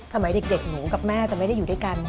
สมัยเด็กหนูกับแม่จะไม่ได้อยู่ด้วยกัน